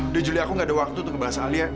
udah julie aku gak ada waktu untuk ngebahas alia